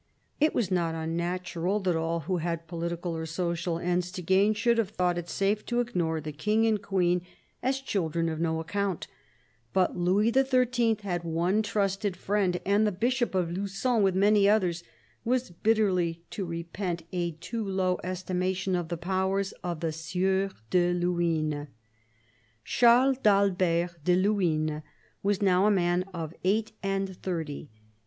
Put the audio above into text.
It was not unnatural that all who had political or social ends to gain should have thought it safe to ignore the King and Queen as children of no account. But Louis XIII. had one trusted friend ; and the Bishop of Lugon, with many others, was bitterly to repent a too low estimation of the powers of the Sieur de Luynes. Charles d' Albert de Luynes was now a man of eight and thirty.